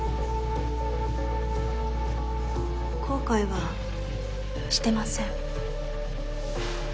後悔はしてません。